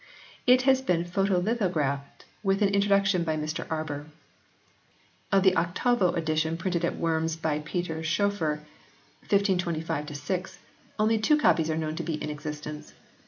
It has been photo litho graphed with an introduction by Mr Arber. Of the octavo edition printed at Worms by Peter Schoefler (1525 6) only two copies are known to be in exist ence.